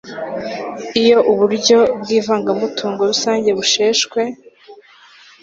Iyo uburyo bw ivangamutungo rusange busheshwe